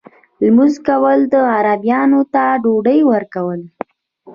لمونځ کول او غریبانو ته ډوډۍ ورکول.